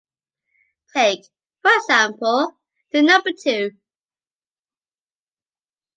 Take, for example, the number two.